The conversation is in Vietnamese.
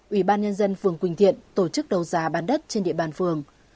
ủy ban nhân dân phường quỳnh thiện tổ chức đấu giá bán đất trên địa bàn phường